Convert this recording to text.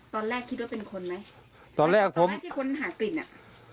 ตอนแรกคิดว่าเป็นคนไหมตอนแรกผมที่ค้นหากลิ่นอ่ะ